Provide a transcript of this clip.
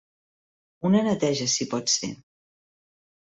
Una neteja si pot ser.